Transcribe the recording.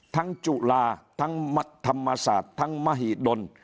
จุฬาทั้งธรรมศาสตร์ทั้งมหิดล